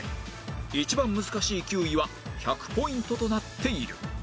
一番難しい９位は１００ポイントとなっている